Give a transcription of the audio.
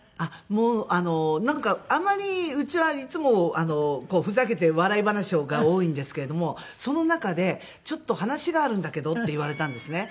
もうなんかあんまりうちはいつもふざけて笑い話が多いんですけれどもその中で「ちょっと話があるんだけど」って言われたんですね。